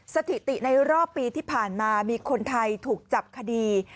สถิติในรอบปีที่ผ่านมามีคนไทยถูกจับคดี